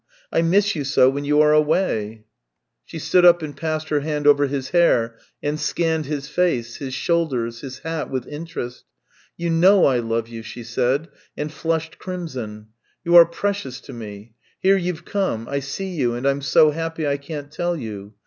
I miss you so when you are away !" She stood up and passed her hand over his hair, and scanned his face, his shoulders, his hat, with interest. " You know I love you," she said, and flushed crimson. " You are precious to me. Here you've come. I see you, and I'm so happy I can't tell you.